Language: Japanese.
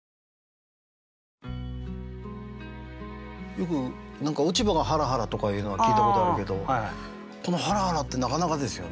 よく何か「落ち葉がはらはら」とかいうのは聞いたことあるけどこの「はらはら」ってなかなかですよね。